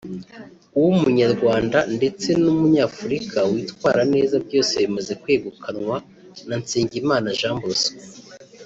uw’umunyarwanda ndetse n’umunyafurika witwara neza byose bimaze kwegukanwa na Nsengimana Jean Bosco